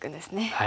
はい。